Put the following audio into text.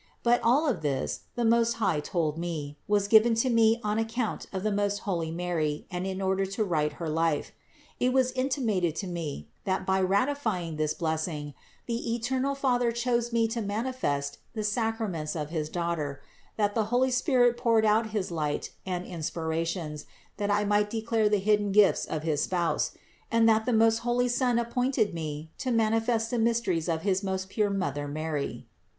But all this, the Most High told me, was given to me on account of the most holy Mary and in order to write her life. It was intimated to me, that by ratifying this blessing, the eternal Father chose me to manifest the sacraments of his Daughter; that the Holy Spirit poured out his light and inspirations that 1 might declare the hidden gifts of his Spouse ; and that the most holy Son appointed me to manifest the mysteries of his most pure Mother Mary.